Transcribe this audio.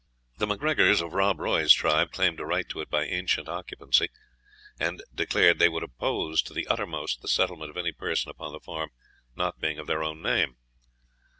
The MacGregors of Rob Roy's tribe claimed a right to it by ancient occupancy, and declared they would oppose to the uttermost the settlement of any person upon the farm not being of their own name.